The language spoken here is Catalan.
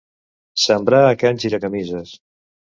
Semblar a Can Giracamises.